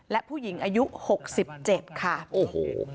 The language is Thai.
และผู้หญิงอายุ๖๗ค่ะโอ้โห